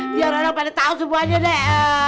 biar orang orang pada tau semuanya deh